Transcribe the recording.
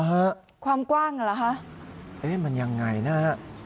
ฮะความกว้างเหรอฮะเอ๊ะมันยังไงนะฮะ